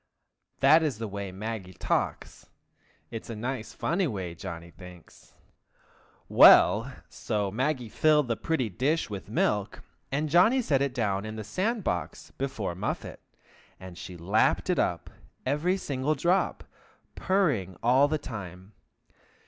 that is the way Maggie talks; it is a nice, funny way, Johnny thinks. Well! so Maggie filled the pretty dish with milk, and Johnny set it down in the sand box before Muffet, and she lapped it up, every single drop, purring all the time.